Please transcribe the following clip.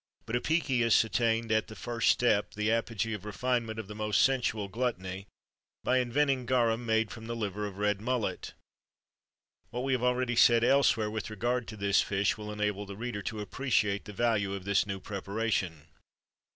[XXIII 29] But Apicius attained at the first step the apogee of refinement of the most sensual gluttony, by inventing garum made from the liver of red mullet.[XXIII 30] What we have already said elsewhere with regard to this fish will enable the reader to appreciate the value of this new preparation.